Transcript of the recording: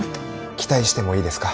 期待してもいいですか。